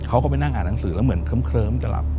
เขาก็ไปนั่งอ่านหนังสือแล้วเหมือนเคลิ้มจะหลับ